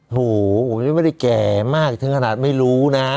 โหนี่ไม่ได้แก่มากถึงขนาดไม่รู้นะ